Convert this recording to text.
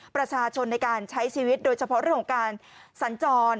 ประชาชนในการใช้ชีวิตโดยเฉพาะเรื่องของการสัญจร